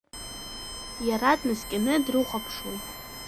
Иара днаскьаны дрыхәаԥшуеит.